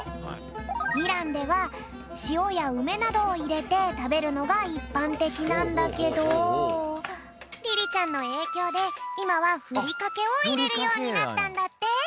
イランではしおやうめなどをいれてたべるのがいっぱんてきなんだけどリリちゃんのえいきょうでいまはふりかけをいれるようになったんだって。